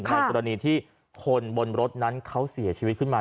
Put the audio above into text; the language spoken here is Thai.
ในกรณีที่คนบนรถนั้นเขาเสียชีวิตขึ้นมา